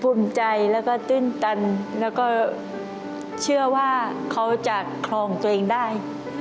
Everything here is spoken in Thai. ภูมิใจแล้วก็ตื้นตันแล้วก็เชื่อว่าเขาจะครองตัวเองได้